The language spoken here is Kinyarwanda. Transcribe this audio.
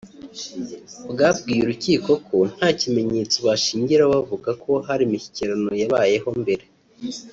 Bwabwiye urukiko ko nta kimenyetso bashingiraho bavuga ko hari imishyikirano yabayeho mbere